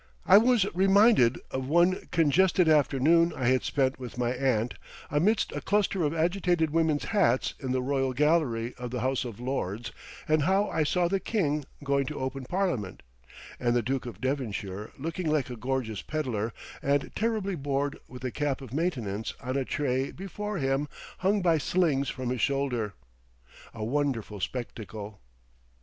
I was reminded of one congested afternoon I had spent with my aunt amidst a cluster of agitated women's hats in the Royal Gallery of the House of Lords and how I saw the King going to open Parliament, and the Duke of Devonshire looking like a gorgeous pedlar and terribly bored with the cap of maintenance on a tray before him hung by slings from his shoulder. A wonderful spectacle!